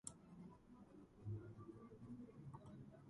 შემორჩენილია ნაგებობის კედლების მცირე ნაწილები.